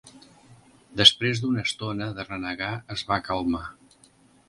Després d'una estona de renegar, es va calmar.